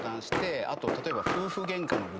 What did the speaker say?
あと例えば。